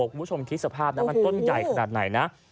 คุณผู้ชมคิดสภาพนะมันต้นใหญ่ขนาดไหนนะ